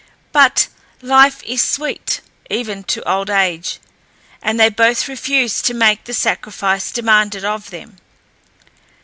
But "life is sweet" even to old age, and they both refused to make the sacrifice demanded of them.